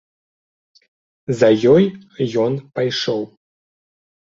За ёй ён пайшоў.